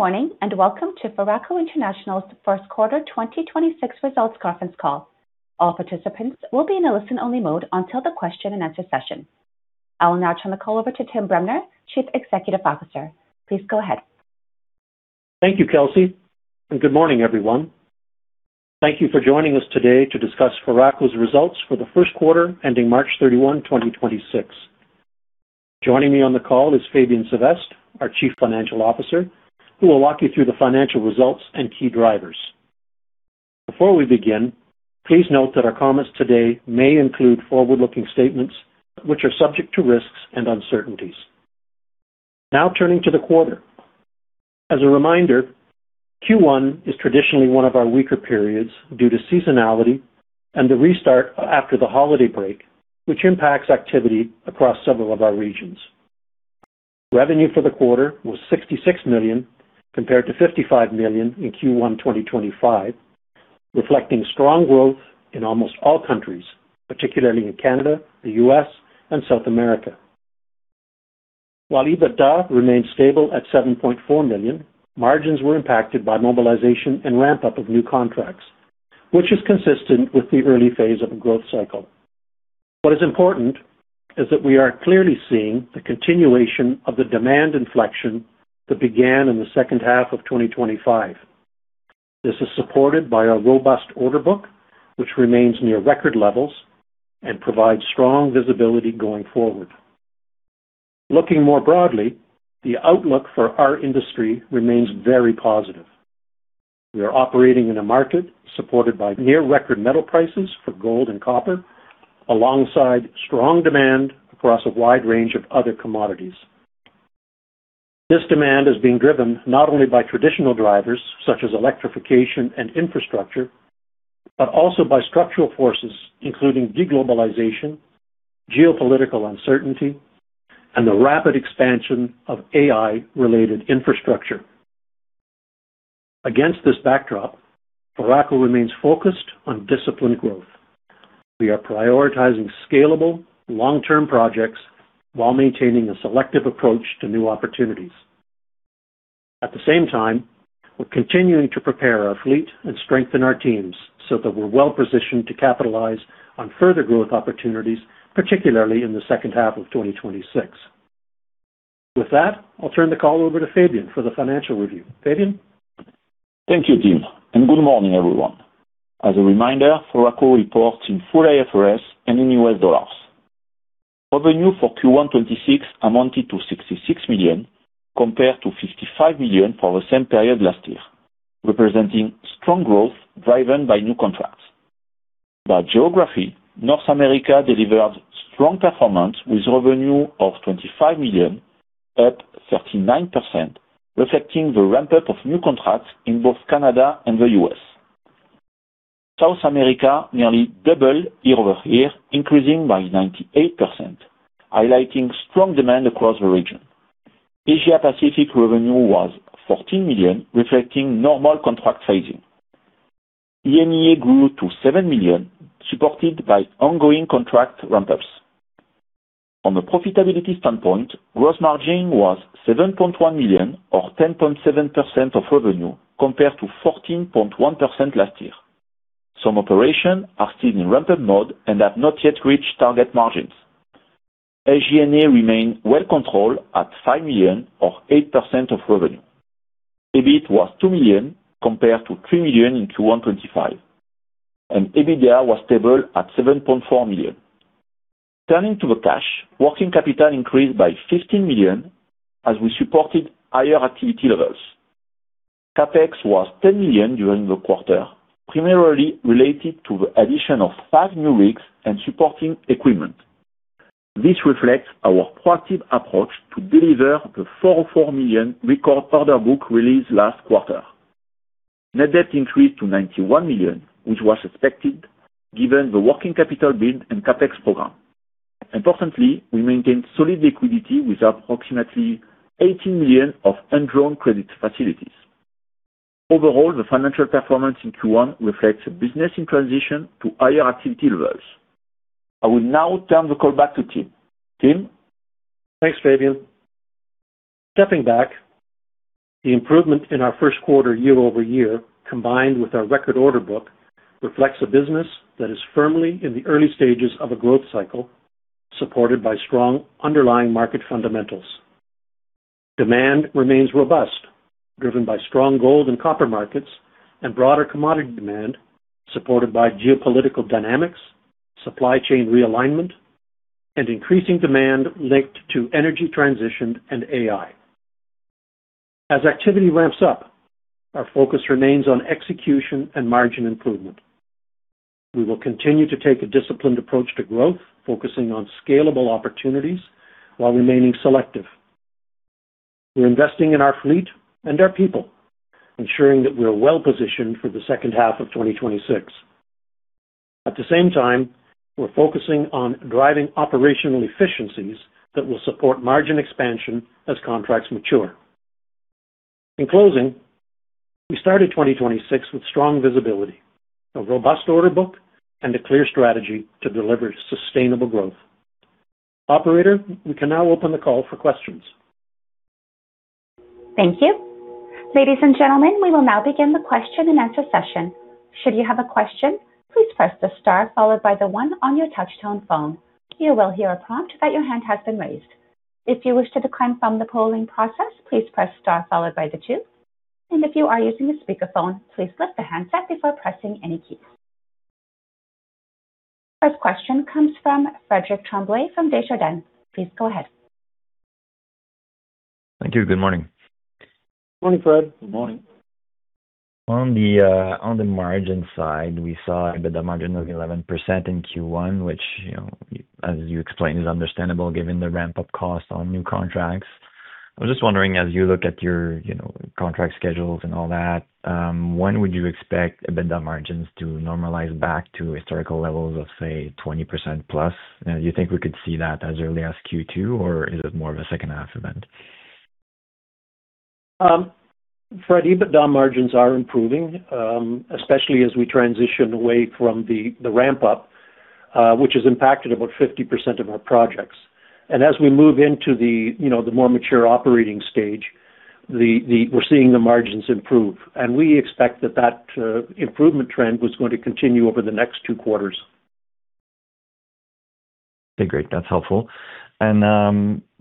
Morning, welcome to Foraco International's Q1 2026 results conference call. All participants will be in a listen-only mode until the question-and-answer session. I will now turn the call over to Tim Bremner, Chief Executive Officer. Please go ahead. Thank you, Kelsey, good morning, everyone. Thank you for joining us today to discuss Foraco's results for the Q1 ending March 31, 2026. Joining me on the call is Fabien Sevestre, our Chief Financial Officer, who will walk you through the financial results and key drivers. Before we begin, please note that our comments today may include forward-looking statements, which are subject to risks and uncertainties. Turning to the quarter. As a reminder, Q1 is traditionally one of our weaker periods due to seasonality and the restart after the holiday break, which impacts activity across several of our regions. Revenue for the quarter was $66 million compared to $55 million in Q1 2025, reflecting strong growth in almost all countries, particularly in Canada, the U.S., and South America. While EBITDA remained stable at $7.4 million, margins were impacted by mobilization and ramp-up of new contracts, which is consistent with the early phase of a growth cycle. What is important is that we are clearly seeing the continuation of the demand inflection that began in the second half of 2025. This is supported by our robust order book, which remains near record levels and provides strong visibility going forward. Looking more broadly, the outlook for our industry remains very positive. We are operating in a market supported by near record metal prices for gold and copper, alongside strong demand across a wide range of other commodities. This demand is being driven not only by traditional drivers such as electrification and infrastructure, but also by structural forces including de-globalization, geopolitical uncertainty, and the rapid expansion of AI-related infrastructure. Against this backdrop, Foraco remains focused on disciplined growth. We are prioritizing scalable long-term projects while maintaining a selective approach to new opportunities. At the same time, we're continuing to prepare our fleet and strengthen our teams so that we're well-positioned to capitalize on further growth opportunities, particularly in the second half of 2026. With that, I'll turn the call over to Fabien for the financial review. Fabien. Thank you, Tim, and good morning, everyone. As a reminder, Foraco reports in full IFRS and in US dollars. Revenue for Q1 2026 amounted to $66 million compared to $55 million for the same period last year, representing strong growth driven by new contracts. By geography, North America delivered strong performance with revenue of $25 million, up 39%, reflecting the ramp-up of new contracts in both Canada and the U.S. South America nearly doubled year-over-year, increasing by 98%, highlighting strong demand across the region. Asia Pacific revenue was $14 million, reflecting normal contract phasing. EMEA grew to $7 million, supported by ongoing contract ramp-ups. On the profitability standpoint, gross margin was $7.1 million or 10.7% of revenue compared to 14.1% last year. Some operations are still in ramp-up mode and have not yet reached target margins. SG&A remained well controlled at $5 million or 8% of revenue. EBIT was $2 million compared to $3 million in Q1 2025, and EBITDA was stable at $7.4 million. Turning to the cash, working capital increased by $15 million as we supported higher activity levels. CapEx was $10 million during the quarter, primarily related to the addition of five new rigs and supporting equipment. This reflects our proactive approach to deliver the $4.4 million record order book released last quarter. Net debt increased to $91 million, which was expected given the working capital build and CapEx program. Importantly, we maintained solid liquidity with approximately $18 million of undrawn credit facilities. Overall, the financial performance in Q1 reflects a business in transition to higher activity levels. I will now turn the call back to Tim. Tim. Thanks, Fabien. Stepping back, the improvement in our Q1 year-over-year, combined with our record order book, reflects a business that is firmly in the early stages of a growth cycle supported by strong underlying market fundamentals. Demand remains robust, driven by strong gold and copper markets and broader commodity demand, supported by geopolitical dynamics, supply chain realignment, and increasing demand linked to energy transition and AI. As activity ramps up, our focus remains on execution and margin improvement. We will continue to take a disciplined approach to growth, focusing on scalable opportunities while remaining selective. We're investing in our fleet and our people, ensuring that we are well-positioned for the second half of 2026. At the same time, we're focusing on driving operational efficiencies that will support margin expansion as contracts mature. In closing, we started 2026 with strong visibility, a robust order book, and a clear strategy to deliver sustainable growth. Operator, we can now open the call for questions. Thank you. First question comes from Frédérick Tremblay from Desjardins. Please go ahead. Thank you. Good morning. Morning, Fred. Good morning. On the, on the margin side, we saw EBITDA margin of 11% in Q1, which, you know, as you explained, is understandable given the ramp-up cost on new contracts. I was just wondering, as you look at your, you know, contract schedules and all that, when would you expect EBITDA margins to normalize back to historical levels of, say, 20% plus? Now, do you think we could see that as early as Q2, or is it more of a second half event? Fred, EBITDA margins are improving, especially as we transition away from the ramp-up, which has impacted about 50% of our projects. As we move into the, you know, the more mature operating stage, we're seeing the margins improve. We expect that that improvement trend was going to continue over the next two quarters. Okay, great. That's helpful.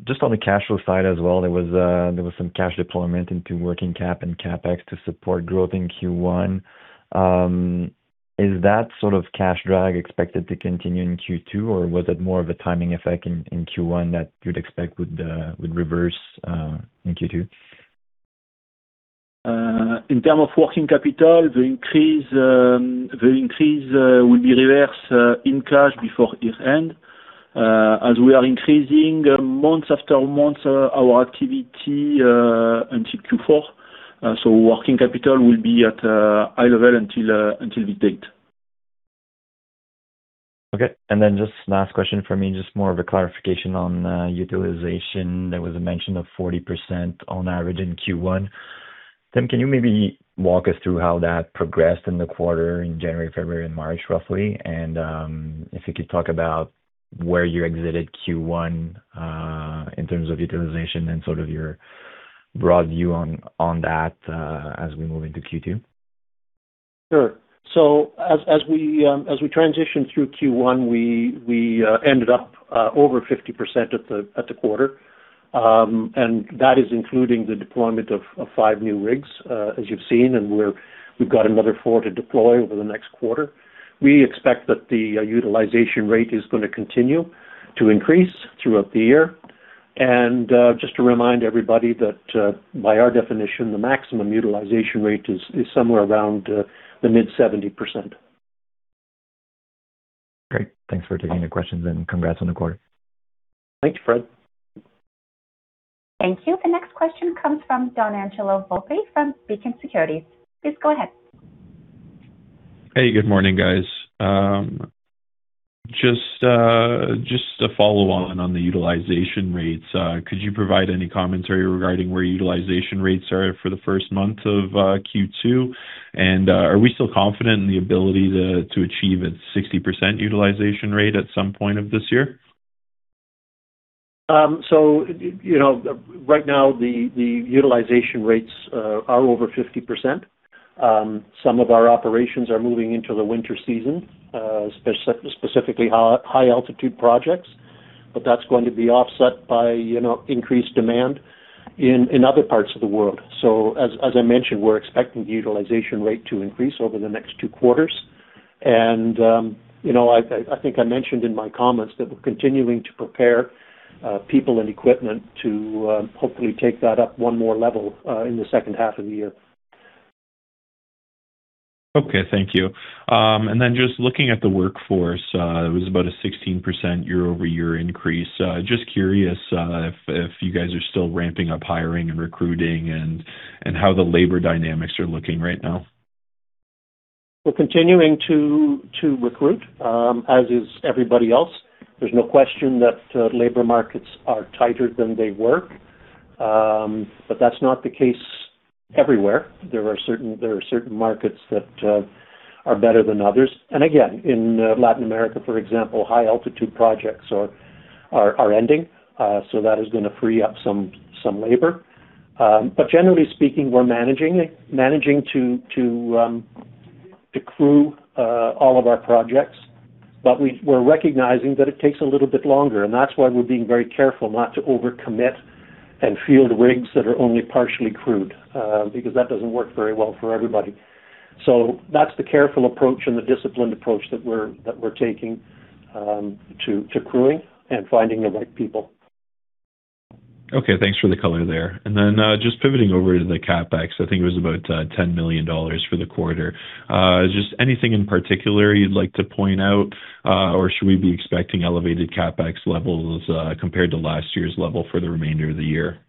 Just on the cash flow side as well, there was some cash deployment into working cap and CapEx to support growth in Q1. Is that sort of cash drag expected to continue in Q2, or was it more of a timing effect in Q1 that you'd expect would reverse in Q2? In term of working capital, the increase will be reversed in cash before year-end. As we are increasing month after month, our activity until Q4. Working capital will be at high level until this date. Okay. Just last question for me, just more of a clarification on utilization. There was a mention of 40% on average in Q1. Tim, can you maybe walk us through how that progressed in the quarter in January, February and March, roughly? If you could talk about where you exited Q1 in terms of utilization and sort of your broad view on that as we move into Q2. Sure. As, as we, as we transition through Q1, we ended up over 50% at the, at the quarter. That is including the deployment of five new rigs, as you've seen, and we've got another four to deploy over the next quarter. We expect that the utilization rate is gonna continue to increase throughout the year. Just to remind everybody that, by our definition, the maximum utilization rate is somewhere around the mid-70%. Great. Thanks for taking the questions and congrats on the quarter. Thanks, Fred. Thank you. The next question comes from Donangelo Volpe from Beacon Securities. Please go ahead. Hey, good morning, guys. Just to follow on the utilization rates, could you provide any commentary regarding where utilization rates are for the first month of Q2? Are we still confident in the ability to achieve a 60% utilization rate at some point of this year? You know, right now the utilization rates are over 50%. Some of our operations are moving into the winter season, specifically high altitude projects, that's going to be offset by, you know, increased demand in other parts of the world. As I mentioned, we're expecting the utilization rate to increase over the next two quarters. You know, I think I mentioned in my comments that we're continuing to prepare people and equipment to hopefully take that up one more level in the second half of the year. Okay. Thank you. Just looking at the workforce, it was about a 16% year-over-year increase. Just curious if you guys are still ramping up hiring and recruiting and how the labor dynamics are looking right now. We're continuing to recruit, as is everybody else. There's no question that labor markets are tighter than they were. That's not the case everywhere. There are certain markets that are better than others. Again, in Latin America, for example, high altitude projects are ending. That is gonna free up some labor. Generally speaking, we're managing to crew all of our projects, but we're recognizing that it takes a little bit longer, that's why we're being very careful not to over-commit and field rigs that are only partially crewed, because that doesn't work very well for everybody. That's the careful approach and the disciplined approach that we're taking to crewing and finding the right people. Okay. Thanks for the color there. Just pivoting over to the CapEx, I think it was about $10 million for the quarter. Just anything in particular you'd like to point out, or should we be expecting elevated CapEx levels compared to last year's level for the remainder of the year?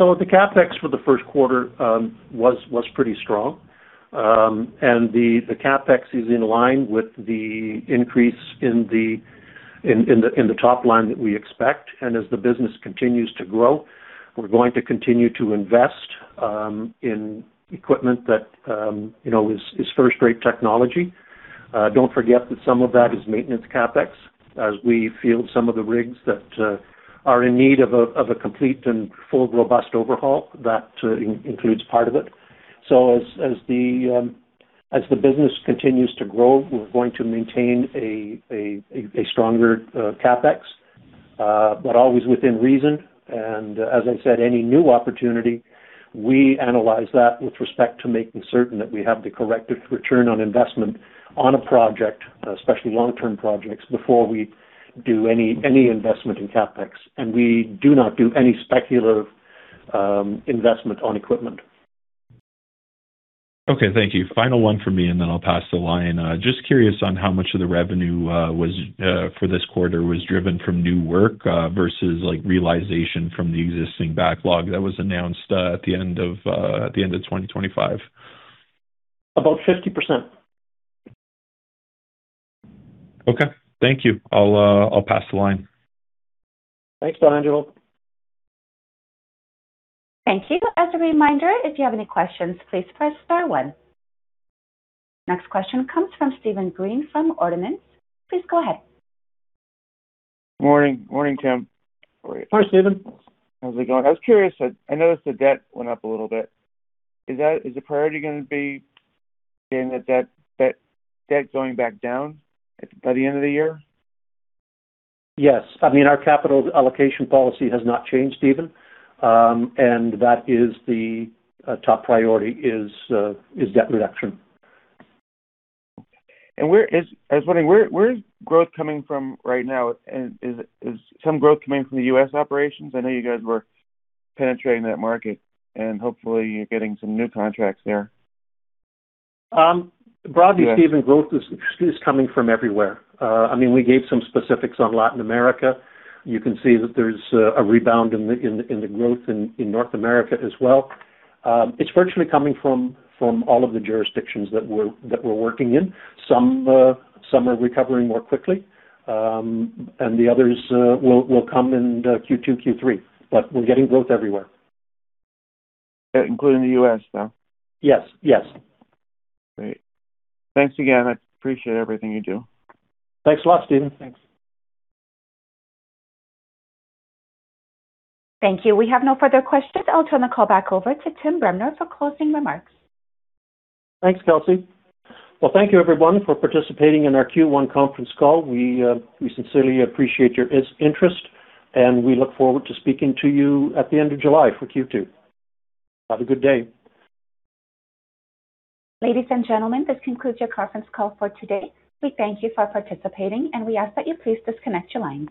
The CapEx for the Q1 was pretty strong. The CapEx is in line with the increase in the top line that we expect. As the business continues to grow, we're going to continue to invest in equipment that, you know, is first-rate technology. Don't forget that some of that is maintenance CapEx as we field some of the rigs that are in need of a complete and full robust overhaul. That includes part of it. As the business continues to grow, we're going to maintain a stronger CapEx, but always within reason. As I said, any new opportunity, we analyze that with respect to making certain that we have the correct return on investment on a project, especially long-term projects, before we do any investment in CapEx. We do not do any speculative investment on equipment. Okay. Thank you. Final one from me, and then I'll pass the line. Just curious on how much of the revenue was for this quarter was driven from new work versus like realization from the existing backlog that was announced at the end of at the end of 2025. About 50%. Okay. Thank you. I'll pass the line. Thanks, Donangelo. Thank you. As a reminder, if you have any questions, please press star 1. Next question comes from Stephen Green from Ord Minnett. Please go ahead. Morning. Morning, Tim. How are you? Hi, Stephen. How's it going? I was curious. I noticed the debt went up a little bit. Is the priority gonna be getting the debt going back down at, by the end of the year? Yes. I mean, our capital allocation policy has not changed, Stephen Green. That is the top priority is debt reduction. I was wondering, where is growth coming from right now? Is some growth coming from the U.S. operations? I know you guys were penetrating that market, and hopefully you're getting some new contracts there. Um, broadly- Yes. Stephen, growth is coming from everywhere. I mean, we gave some specifics on Latin America. You can see that there's a rebound in the growth in North America as well. It's virtually coming from all of the jurisdictions that we're working in. Some are recovering more quickly. The others will come in Q2, Q3. We're getting growth everywhere. Including the U.S., though? Yes. Yes. Great. Thanks again. I appreciate everything you do. Thanks a lot, Stephen. Thanks. Thank you. We have no further questions. I'll turn the call back over to Tim Bremner for closing remarks. Thanks, Kelsey. Thank you everyone for participating in our Q1 conference call. We sincerely appreciate your interest, and we look forward to speaking to you at the end of July for Q2. Have a good day. Ladies and gentlemen, this concludes your conference call for today. We thank you for participating, and we ask that you please disconnect your lines.